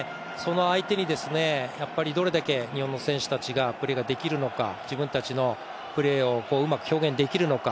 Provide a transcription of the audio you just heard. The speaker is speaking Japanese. その相手にどれだけ日本の選手たちがプレーができるのか自分たちのプレーをうまく表現できるのか。